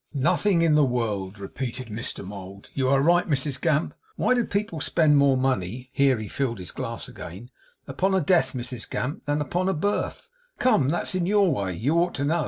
'Nothing in the world,' repeated Mr Mould. 'You are right, Mrs Gamp. Why do people spend more money' here he filled his glass again 'upon a death, Mrs Gamp, than upon a birth? Come, that's in your way; you ought to know.